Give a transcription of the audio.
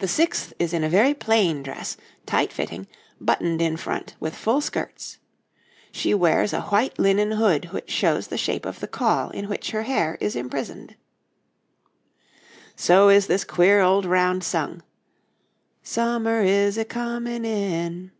The sixth is in a very plain dress, tight fitting, buttoned in front, with full skirts. She wears a white linen hood which shows the shape of the caul in which her hair is imprisoned. So is this queer old round sung, 'Sumer is icumen in.'